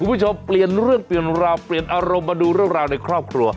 คุณผู้ชมเปลี่ยนเรื่องเตือนราวมาดูเรื่องราวในครอบครัว